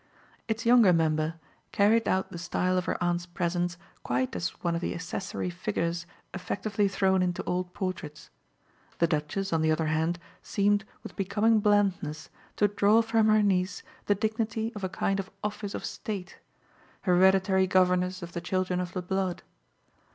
Its younger member carried out the style of her aunt's presence quite as one of the accessory figures effectively thrown into old portraits. The Duchess on the other hand seemed, with becoming blandness, to draw from her niece the dignity of a kind of office of state hereditary governess of the children of the blood.